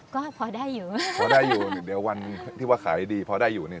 ก็พอได้อยู่พอได้อยู่เนี่ยเดี๋ยววันที่ว่าขายดีพอได้อยู่เนี่ย